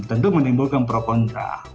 yang tentu menimbulkan proponrah